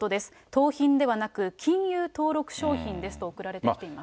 盗品ではなくて、金融登録商品ですと送られてきています。